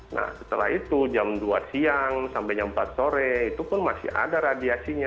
nah setelah itu jam dua siang sampai jam empat sore itu pun masih ada radiasinya